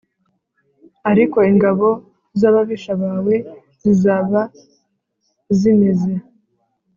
Ariko ingabo z ababisha bawe zizaba zimeze